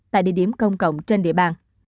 tại địa điểm công cộng trên địa bàn